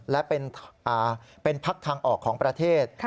และเป็นพักทางออกของประเทศ